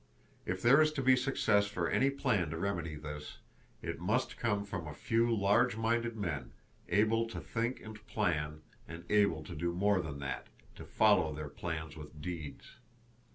If there is to be success for any plan to remedy this, it must come from a few large minded men, able to think and plan, and able to do more than that—to follow their plans with deeds.